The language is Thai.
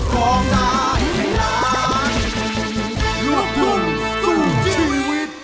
รอบสู่ชีวิต